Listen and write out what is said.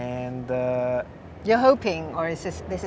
anda berharap atau ini adalah rencana